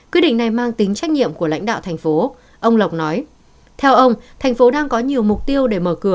quyết định này mang tính trách nhiệm của lãnh đạo thành phố